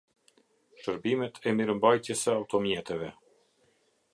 Sherbimet e mirembajtjes se automjeteve